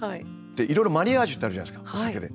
いろいろマリアージュってあるじゃないですかお酒で。